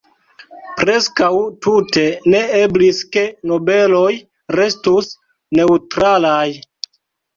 Preskaŭ tute ne eblis ke nobeloj restus neŭtralaj.